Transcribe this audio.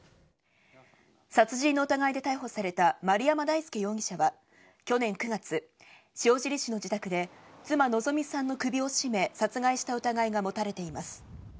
殺人の疑いで逮捕された丸山大輔容疑者は去年９月、塩尻市の自宅で妻・希美さんの首を絞め殺害した疑いが持たれています。